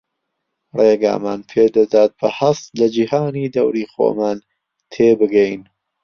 ڕێگامان پێدەدات بە هەست لە جیهانی دەوری خۆمان تێبگەین